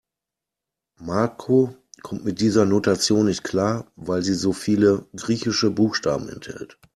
Marco kommt mit dieser Notation nicht klar, weil sie so viele griechische Buchstaben enthält.